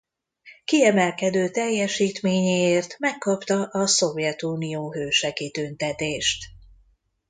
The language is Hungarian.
Kiemelkedő teljesítményéért megkapta a Szovjetunió Hőse kitüntetést.